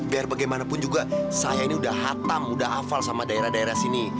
biar bagaimanapun juga saya ini udah hatam udah hafal sama daerah daerah sini